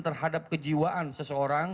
terhadap kejiwaan seseorang